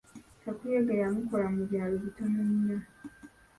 Kakuyege yamukola mu byalo bitono nnyo.